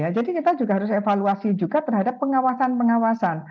jadi kita juga harus evaluasi juga terhadap pengawasan pengawasan